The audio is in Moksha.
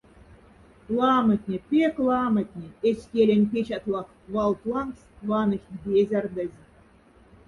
Ламотне, пяк ламотне эсь кялень печатлаф валть лангс ваныхть безярдезь.